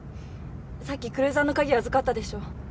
さっきクルーザーの鍵預かったでしょ。